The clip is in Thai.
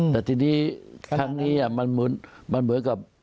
แต่ทีนี้ครั้งนี้มันเหมือนกับ